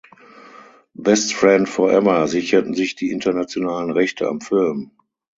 Best Friend Forever sicherten sich die internationalen Rechte am Film.